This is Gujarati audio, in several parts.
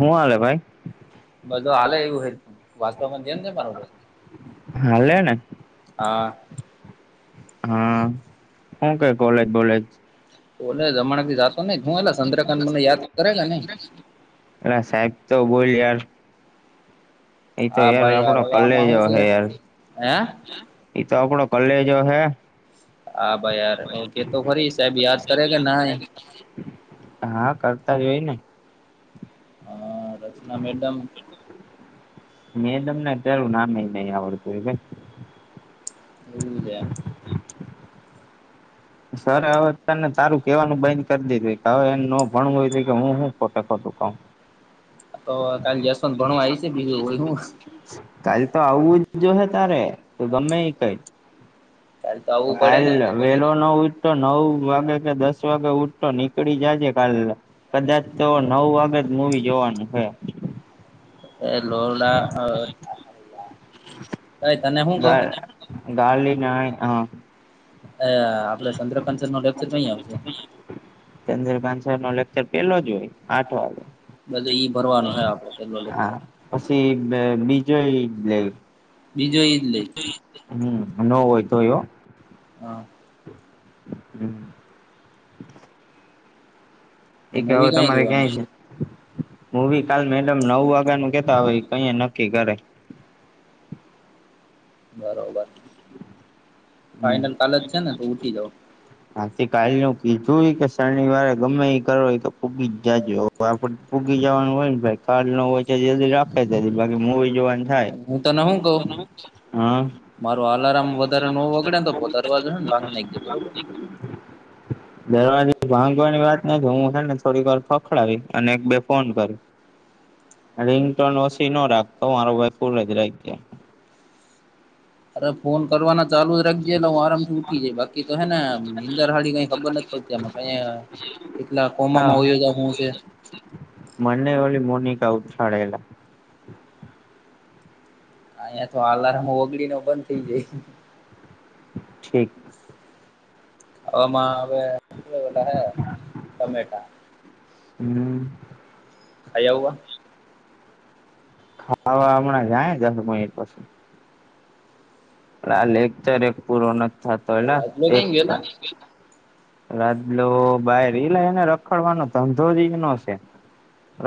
હું હાલે ભાઈ. બધું હાલે એવું હો વાસ્તવમાં જેમ છે મારો ભાઈ હાલે ને. હા હા શું કે કોલેજ કોલેજ ઓલે જમાણ થી જાતો નઈ હું એલા ચંદ્રકાડ મને યાદ કરે કે નઈ હ સાહેબ તો બોલ યાર એ તો હા યાર ભાઈ આપડો હવે આમાં હું કલેજો છે હે યાર હે એ તો આપડો કલેજો હે. હા ભાઈ યાર ઓકે તો ખરી સાહેબ યાદ કરે કે નય હા કરતા હોય ને આ રચના મેડમ મેં તમને અત્યારે નામ નહિ આવડતું હોય. ઓલું જ એમ. સર હવે તને તારું કેવાનું બંધ કરી દીધું હોય કે હવે એને નો ભણવું હોય કે હું હું ખોટે ખોટું કઉ. તો કાલે જશવંત ભણવા આવી છે બીજું હું થયું. કાલ તો આવું જ જો હે તારે તો ગમે એઈ કર કાલ તો હ આવવું પડે કાલ. ને વેલો ન ઉઠતો નવ વાગે કે દસ વાગે ઉઠતો નીકળી જજે કાલ કદાચ તો નવ વાગે જ મૂવી જોવાનું છે. એ [unintelligible] અ તને હું કઉ અ ગાલી નહી હા. અ આપડે ચંદ્રકાસ નો લેક્ચર કઈ આવશે. ચંદ્રકાન સર નો લેક્ચર પેલો જ હોય આઠ વાગે. બધું ઈ ભરવાનો હે આપડે પેલો લેક્ચર હા પછી બીજો ઈ લઈ બીજું ઈ હમ્મ ન હોય તોય હો. હા. હમ્મ. ને એક હવે મૂવી કયા તમારે જોવાનું ક્યાંય છે. મુવી કાલ મેડમ નવ વાગ્યા નુ કેતા હવે કહી નક્કી કરે. બરોબર હમ્મ ફાઈનલ કાલે જ છે ને તો ઉઠી જાવ [inaudible] કાંતિ કાલ્યો કીધુએ કે શનિવારે ગમે એ કરોય તો ફૂગી જ જાજો આપડ ભૂગી જવાનું હોય ને ભાઈ કાર્ડ ન હોય. જલ્દી રાખે તે બાકી મુવી જોવાનું થાય હા માર અલાર્મ વધારે નો વગડે ને તો દરવાજો છે ને ભાંગ નાખ જે બરોબર દરવાજે ભાગવાની વાત નથી હું છેને થોડી વાર ખખડાવી અને એક બે ફોન કરી રિંગટોન ઓછી નો રાખતો મારો ભાઈ ફૂલ જ રાખજે. અરે ફોન કરવાના ચાલુ જ રાખજે એટલે હું આરામથી ઉઠી જઈ બાકી તો હે નીંદર હાડી કઈ ખબર નથી. તે મકા અયા કેટલા હા કોમામાં વયો હું છે. મને ઓલી મોનિકા ઉઠાળે એલા. અયા તો અલાર્મ ઓગળી નો બંધ થઈ જાય છે. ઠીક અમાં હવે ઓલા હે ટમેટા. હમ્મ. આય એવું આ ખાવા હમણાં જાય જશે એ પાછા. હાલ એક તો રેક એક પુરો ન જ થતો એ રાજલો એક ક્યાંય ગયેલા રાતલો બાર એલા એને રખડવાનો ધંધો જ ઈ નો છે.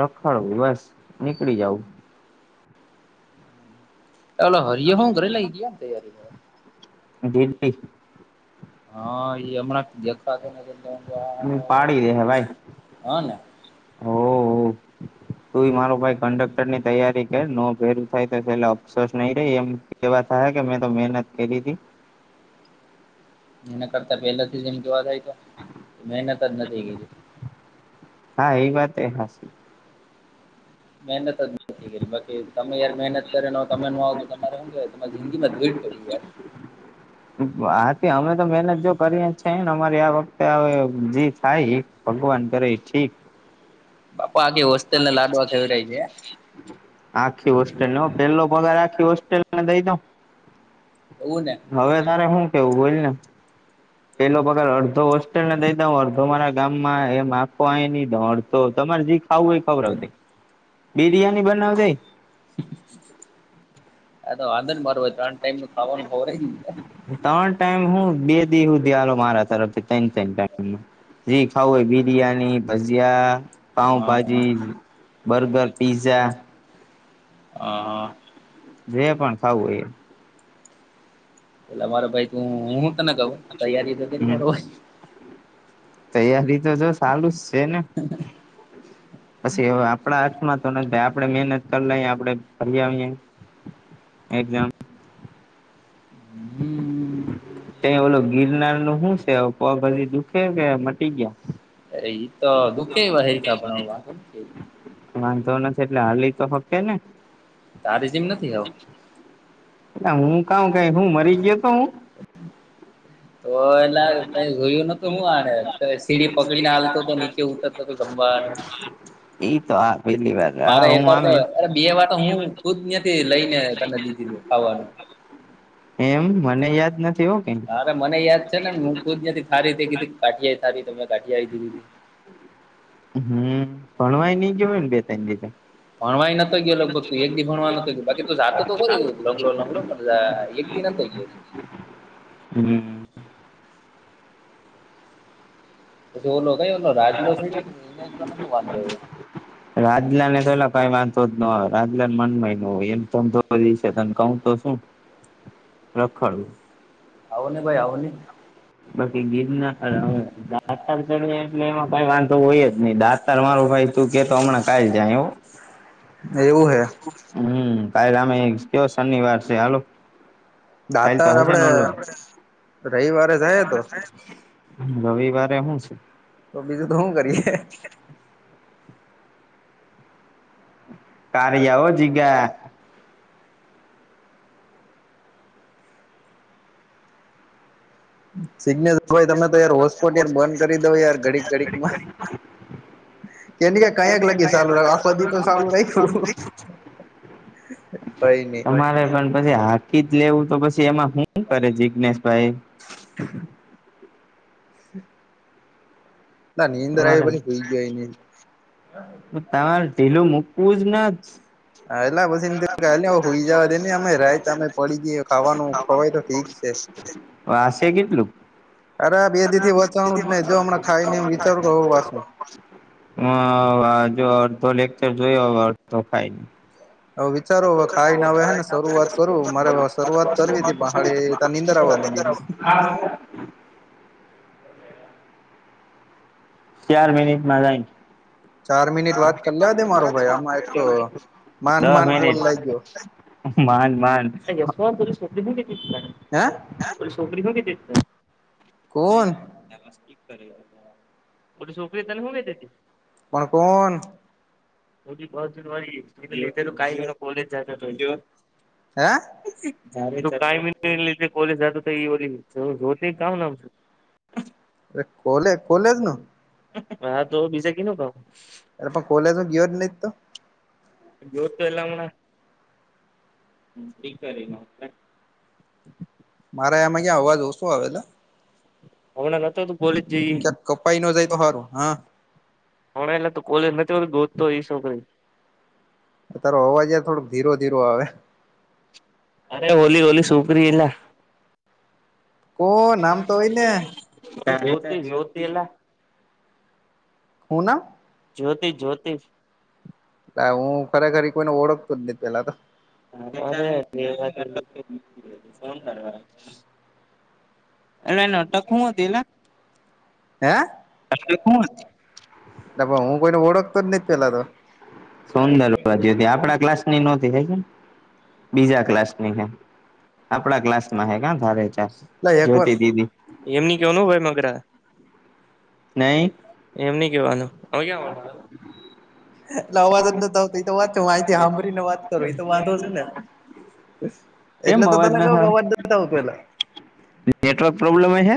રખડ બસ નીકળી જાવ ચાલ હરીયો હું કરે ક્યાં તૈયારી કરે. ઢીલી હા એ હમણાં દેખવા કેને ના [unintelligible] બૂમ પાડી દે ભાઈ હા ને ઓ હો. તું મારો ભાઈ કંડક ટર ની તૈયારી કર ન ભેરું થાય તો છેલ્લા અફસોસ નહી રહી એમ કેવા થયા કે મેં તો મહેનત કરી હતી. એના કરતા પહેલાથી જ એમ કેવા જાય તો મહેનત જ નથી કરી. હા એ વાત એ હાચી. મહેનત જ નથી કરી બાકી તમે યાર મહેનત કરેને તમે ન આવો તો તમારે શું કેવાય તમારી જિંદગીમાં ભીડ પડી યાર હ હાથી અમે તો મેહેનત જો કરીએ છેને અમારી આ વખતે હવે જે થાય. ભગવાન કરે એ ઠીક બાપા આખી હોસ્ટેલ ને લાડવા ખવરાવી દે એમ. આખી હોસ્ટેલ નો પેલો પગાર આખી હોસ્ટેલ ને દઈ દઉ એવું ને હવે તારે શું કેવું બોલ ને પેલો પગાર અડધો હોસ્ટેલને દઈ દઉ અડધો મારા ગામમાં એમ આપવા ઈ ન દોડ તો તમારી રીત આવુંય ખવડાવશે બિરિયાની બનાવ એ આ તો વાંધો ને મારો હો ત્રણ ટાઈમ નુ ખાવાનું ખવરાવી દે એમ ત્રણ ટાઈમ હું બે દિ હુદી હાલો મારા તરફથી ત્રણ ત્રણ ટાઈમ નુ જે ખાવું હોય એ બિરિયાની ભજીયા હા હા પાઉભાજી બર્ગર પીઝા આ હા. જે પણ ખાવું હોય એ. પેલા મારા ભાઈ તું હું તને કહું તૈયારી કરજે ને એ મારો ભાઈ તૈયારી તો જો ચાલુ જ છે ને. પછી એ આપણા હાથમાં તો આપણે મહેનત કરી લઈ આપણે ફરી આવીએ. એક્ઝામ હમ હ ત ઓોલો ગિરનાર નું શું છે પગ બી દુખે કે મટી ગયા અરે એઈ તો દુઃખે એ હેિકાણ વા વાંધો નથી એટલે હાલી તો ફક્તે ને તારી જેમ નથી ખાવું. એટલે હું કામ કાઉ હું મરી ગયો હતો હું તો એલા તે જોયું નતું હું આને સીડી પકડીને હાલતો તો નીચે ઉતર એઈ તો હા પેલી વાર હા મારે હું એકવાર તો આમે અરે બે વાર તો હું ખુદ ત્યાંથી લઈને તને લીધી છે ખાવાનું એમ મને યાદ નથી હો કઈ. હવે મને યાદ છે ને હું ખુદ નથી થારી થઈ ગઈ તી કાઠિયા થાળી કાઠિયા ઈ દીધી તી. હમ ભણવાય નઈ જોયું ને બે તનેજ ભણવાઈ નતો ગયો લગભગ તું એક દી ભણવા નતો ગયો બાકી તો જાતો તો કરીરી લંગડો લંગડો પણ એક દિન થ ગયા હમ પછી ઓલો કઈ ઓલો રાજ ન છેીડ્યો એકલો નતો વાંધો રાજલા ને પેલા કઈ વાંધો જ ન હોય રાજલાને મનમય ન હોય એમમો દસે તને ક તો શું રખડું આવો ને ભાઈ આવો ને બાકી ગીત ના દાંતતાર ચડી એટલે એમાં કઈ વાંધો હોય જ નહી દાંતતર મારરો ભાઈ તું કે તો હમણાં કાઈ જાય એવું [unintelligible] એવું હે હમ ક અમે કયો શનિવાર છે હાલો તાલ તો દાતાર હશ આપડે નલો રવિવારે જાય તો રવિવારે હું છે તો બીજું તો શું કરીએ કારયાવ જીગ સિગ્ને ભાઈ તમે તો યાર હોટસ્પોટ યાર બંધ કરી દ યાર ઘડીક ઘડીક માં એ લગી ચાલુ રાખ આખો દી તો ચાલુ રાખ્યું કઈ નઈ તમારે પણ પછી હાકી જ લેવું તો પછી એમાં શું કરે જિગ્નેશભાઈ હ [inaudible] ના નીંદર આવી તમારે પછી હુઈ ગયો નઈ તમારે ઢીલું મૂકવું જ ન હા એટલા પછી હુઈ જવા દે ને અમે રાત અમે પડી જઈએ ખાવાનું ખવાય તો ઠીક છે [unintelligible] વાસે કેટલું અરે બે દી થી વચવાણું જ નઈ જો હમણા ખાઈ [unintelligible] હ જો અડધો લેકચર જોય હવે અડધો ખાય હવે વિચારો હવે ખાઈને હવે હે ને શરૂઆત કરું મારે શરૂઆત કરવી હતી પણ હાળી તાર નીંદર આવવા માંડી ગઈ [unintelligible] હા હ ચાર મિનિટમાં જાય ચાર મિનિટ વાત કરી લેવા દે મારો ભાઈ આમાં એક તો માંડ દહ માંડ મિનિટ કોલ લાગ્યો માન માનો હે છોકરી હો કે કોણ ી કરે બટ છોપરી તને હોગ પણ કોણ એી બ જવારી તો કઈ જણ કોલેજ જ હે ટાઈમિ લે કોલેજ જ તો એ ઓ કામ નામ હા અરે કોલે કોલે જ ન હા તો બીજા ક નું કઉું અ પણ કોલેજ ગયયોર નહ તો જ્યો તો એલાણાીક ર મારા એમાં જ્યાં અવાજ ઓતો આવેલો ક્યાક કપાઈ ન જાય તો સારું હા પણ એલા તો કોલેજ નથી હો ગોતતો એઈ છોકરી તારો અવાજાર થોડક ધીરો ધીરો આવે અરે હોલી હોલી સુકરી એલા કો નામ તો હોય ને જ્યોતિ જ્યોતિ એલા હું ના જ્યોતિષ જ્યોતિષ હું ખરેખર કોઈને ઓળખતો જ નથીહ પેલા તો હ ફોન કરવા એટલે નટક હું હતી એટ અ કોણ નાટ હું કોઈને ઓળખતો જ નથી પેલાતો સુંદર બાજ આપડા ક્લાસ ની નહોતી થ કે બીજા ક્લાસ ની હ આપણા ક્લાસ માં હે ધારે ચાર જોતી દીદી એમની કેવાનું ભાઈ મગરા નહી એમ નઈ કેવાનું હવે ક્યાં એટલે અવાજ જ નતો આવતો તો વાત છે માહિતી સાંભરી ને વાત કરું એ તો વાંધો છે ને કેમ એટલે તો અવાજ તને ના કવું આવે કવાર દતા પેલા નેટવર્ક પ્રોબ્લેમ હ છે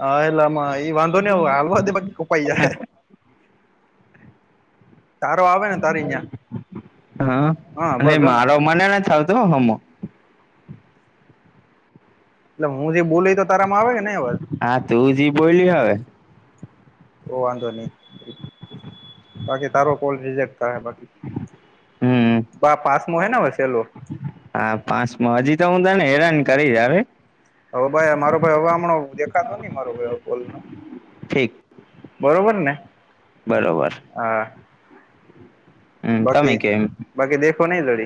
હા એલામાં એઈ વાંધો નને હાલવા દે કોપાઈ જાય તારો આવે ને તારી ન્યા હા હા ન બસ ગણ મારો મનેને થાવતોું હમ એટલે હું જે બોલીય તો તારામાં આવે ને અવાજ હા તું જી બોલી હવે તો વાંધો નહી બાકી તારો કોલ રેક થ બાકી હમ બા પાસ મો હને વસેલો હા પાંચમ હજી તો હું તને હેરાન કરી હ હવે ભાઈ મારો ભાઈ હવે હમણો દેખાતો નહી મારોાઈ કોલ ન ઠીક બરોબર ને બરોબર હ હમ તમે કેમ બાકી દેખો નઈ જડી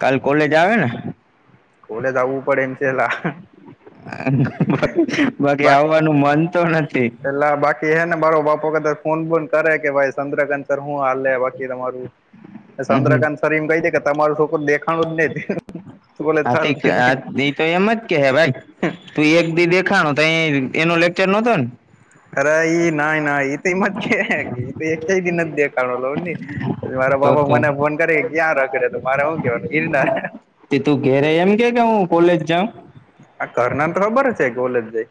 કાલ કોલેજ આવે ને કોલે જ આવવું પડે એમ છેલા બાકી આવવાનું મન તો નથી પેલા બાકી હે ને મારો બાપો કદાચ ફોન બન કરે કે ભાઈ સદ્રગ હું હાલેે બાકી તમારું હમ ચંદ્રકાંત શરીમ કહી દ કે તમારું છોકર દેખાણું જ નહ આ તો એમ જ કે ભાઈ તું એક દી દેખાણો તો એનો લેક્ચર નહતો ને ખરા ઈ ના ના તો મત છે તો એક દિન જ દેખલો નહી પછી મારા તો બાપા તો મને ફોન કરી કે ક્યાં રાખડે તો મારે શું કેવાનું ગીર ના તે તું ઘેરે એમ કે કે હું કોલેજ જાઉ આ ઘરનાર તો ખબર હ છે કોલેજ જાય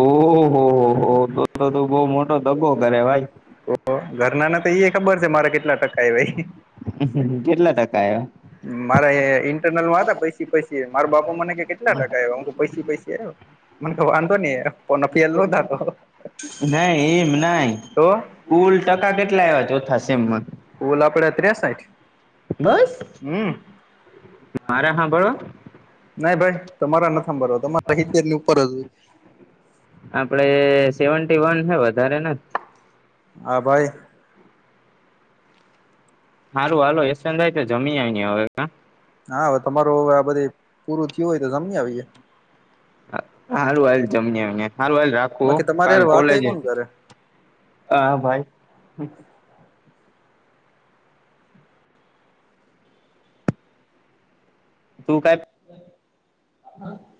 ઓહો હો હો તો તો તું બઉ મોટો દગ્ગો કરે ભાઈ તો ઘરના તો એ ખબર છે મારે કેટલા ટકા એ ભાઈ કેટલા ટકા આવ્યા મારે એ ઇન્ટરનલમાં હતા પૈસા પૈસા માર બાપા મને કે કેટલા ટકા આવ અમુ પૈી પૈસા આવ મને વાંધો નહી પો પીએલ ન થતો નાહી એમ નાહી તો ઉલ ટકા કેટલા આવ્યા ચોથા સેમમાં ઓલ આપડે ત્રેસઠ બસ હમ મારા હા બળો નાઈ ભાઈ તમારા નથી સાંભરવા તમારારની ઉપર જ હોય આપડે સેવી વન છે વધારે હા ભાઈ હારું હાલો એસ્ટન થાય તો જમી આવી હવે હા હવે તમારું હવે આ બધે પૂરું થયું હોય તો સમજી આવીએે હારું હ જમજમને હારું હ રાખું બાકી તમારે કાલ વાત કોલેજ કોણ કરે હા ભાઈ તું કઈ [unintelligible]